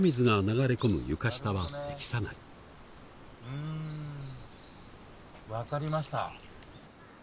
うん分かりました。